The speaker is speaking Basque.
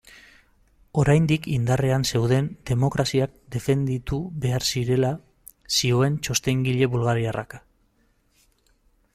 Oraindik indarrean zeuden demokraziak defenditu behar zirela zioen txostengile bulgariarrak.